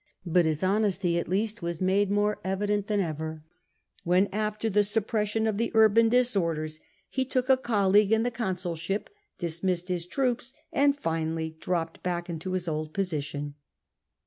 But his honesty, at least, was made more evident than ever, when, after the suppression of the urban disorders, he took a colleague in the con sulship, dismissed his troops, and finally dropped back into his old position.